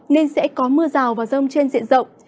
nên sẽ có mưa rào và rông trên diện rộng